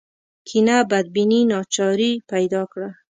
کینه بدبیني ناچاري پیدا کړه